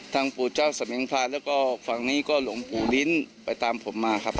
ปู่เจ้าสมิงพรานแล้วก็ฝั่งนี้ก็หลวงปู่ลิ้นไปตามผมมาครับ